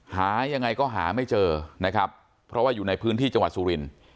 หายังไงก็หาไม่เจอนะครับเพราะว่าอยู่ในพื้นที่จังหวัดสุรินทร์